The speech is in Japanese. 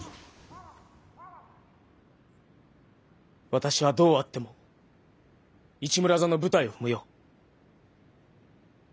私はどうあっても市村座の舞台を踏むよ。